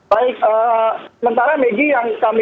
baik eh sementara megi yang kami dapat tahu adalah